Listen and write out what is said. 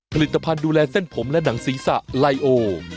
ผลิตภัณฑ์ดูแลเส้นผมและหนังศีรษะไลโอ